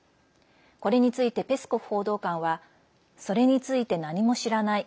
これについてペスコフ報道官はそれについて何も知らない。